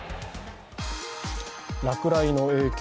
落雷の影響